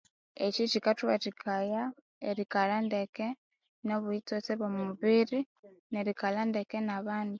Ekyi kyikathuwathikaya erikalha ndeke nobuyitsotse obwo omubiri nerikalha ndeke nabandu.